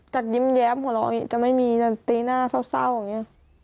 จะยิ้มแย้บหลอกจะไม่มีตีหน้าเศร้าอย่างนี้